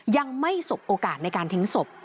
ยังไม่สบโอกาสในการทิ้งศพ